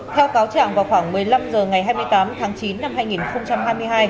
theo cáo trạng vào khoảng một mươi năm h ngày hai mươi tám tháng chín năm hai nghìn hai mươi hai